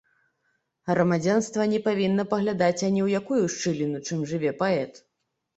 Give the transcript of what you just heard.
Грамадзянства не павінна падглядаць ані ў якую шчыліну, чым жыве паэт.